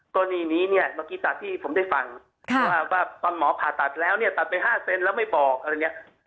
กรณีนี้เนี่ยเมื่อกี้ตัดที่ผมได้ฟังว่าตอนหมอผ่าตัดแล้วเนี่ยตัดไป๕เซนแล้วไม่บอกอะไรอย่างนี้